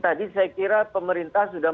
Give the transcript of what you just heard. tadi saya kira pemerintah sudah